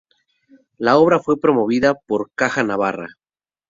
La obra fue promovida por Caja Navarra.